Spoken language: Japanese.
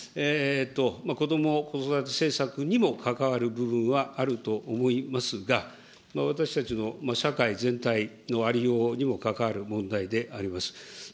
こども・子育て政策にも関わる部分はあると思いますが、私たちの社会全体のありようにも関わる問題であります。